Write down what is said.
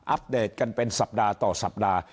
อัปเดตเป็นสัปดาห์ต่อสัปดาห์